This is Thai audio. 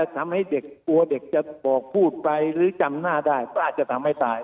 ทำให้เด็กกลัวเด็กจะบอกพูดไปหรือจำหน้าได้ก็อาจจะทำให้ตาย